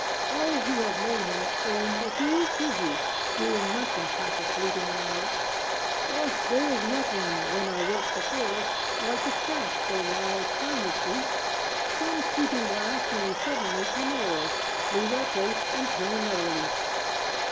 All who have known him own that he is busy, Doing much in half a fleeting hour. "Oh! there is nothing when our work's before us, Like despatch; for, while our time is brief, Some sweeping blast may suddenly come o'er us, Lose our place, and turn another leaf!